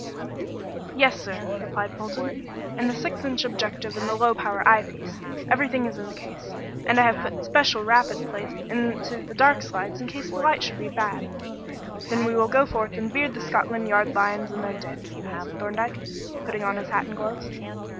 "Yes, sir," replied Polton, "and the six inch objective and the low power eye piece. Everything is in the case; and I have put 'special rapid' plates into the dark slides in case the light should be bad." "Then we will go forth and beard the Scotland Yard lions in their den," said Thorndyke, putting on his hat and gloves.